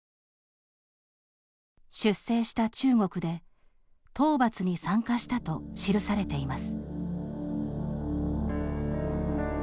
出征した中国で討伐に参加したと記されています。